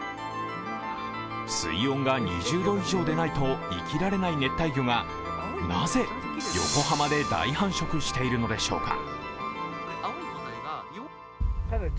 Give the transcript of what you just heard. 水温が２０度以上でないと生きられない熱帯魚がなぜ横浜で大繁殖しているのでしょうか。